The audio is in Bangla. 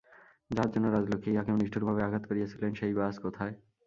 যাহার জন্য রাজলক্ষ্মী ইঁহাকেও নিষ্ঠুরভাবে আঘাত করিয়াছিলেন, সেই বা আজ কোথায়!